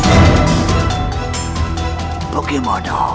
terima kasih mendatang